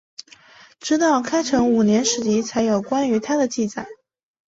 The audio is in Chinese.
直到开成五年史籍才有关于他的记载。